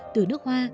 từ nước hoa